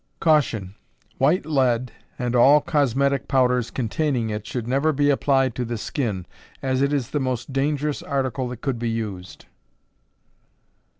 Caution. White lead, and all cosmetic powders containing it should never be applied to the skin, as it is the most dangerous article that could be used.